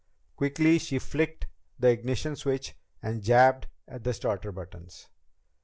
Quickly she flicked the ignition switch and jabbed at the starter buttons.